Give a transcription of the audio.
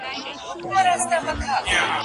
په دنیا کي چي